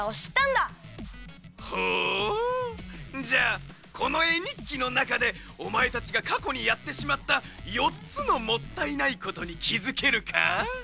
じゃあこのえにっきのなかでおまえたちがかこにやってしまった４つのもったいないことにきづけるか？